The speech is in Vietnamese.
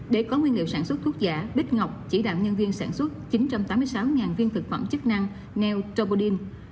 để có nguyên liệu sản xuất thuốc giả bích ngọc chỉ đạo nhân viên sản xuất chín trăm tám mươi sáu viên thực phẩm chức năng neo chopodin